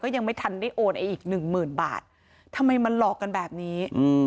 ยังไม่ทันได้โอนไอ้อีกหนึ่งหมื่นบาททำไมมันหลอกกันแบบนี้